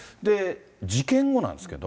事件後なんですけど。